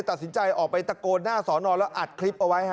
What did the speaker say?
ตัดสินใจออกไปตะโกนหน้าสอนอแล้วอัดคลิปเอาไว้